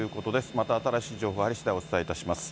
また新しい情報、入りしだい、お伝えいたします。